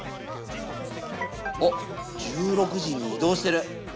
あっ１６時に移動してる。